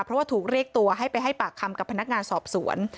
เพราะว่าถูกเรียกตัวให้ไปให้ปากคำกับพนักงานสอบสวน